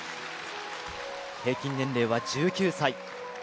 平均年齢は１９歳。